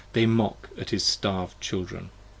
they mock at his starv'd Children.